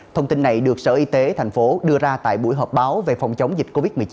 thông tin này được sở y tế thành phố đưa ra tại buổi họp báo về phòng chống dịch covid một mươi chín